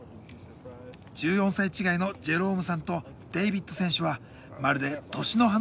１４歳違いのジェロームさんとデイビッド選手はまるで年の離れた兄弟のようです。